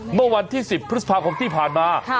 เมื่อวันที่๑๐พฤษภาคมที่ผ่านมา